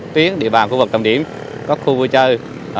tuyến địa bàn khu vực trọng điểm các khu vui chơi